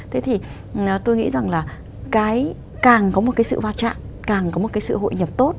thế thì tôi nghĩ rằng là cái càng có một cái sự va chạm càng có một cái sự hội nhập tốt